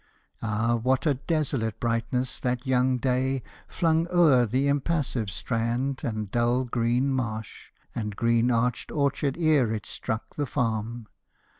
Ah, what a desolate brightness that young day Flung o'er the impassive strand and dull green marsh And green arched orchard, ere it struck the farm!